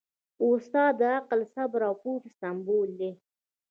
استاد د عقل، صبر او پوهې سمبول دی.